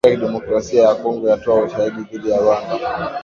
Jamhuri ya Kidemokrasia ya kongo yatoa ushahidi dhidi ya Rwanda.